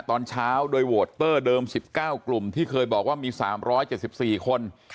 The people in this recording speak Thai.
ตอนเช้าโดยโวตเตอร์เดิม๑๙กลุ่มที่เคยบอกว่ามี๓๗๔คน